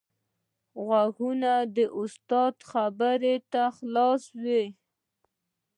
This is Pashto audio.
غوږونه د استاد خبرو ته خلاص وي